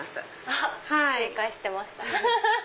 あっ正解してました。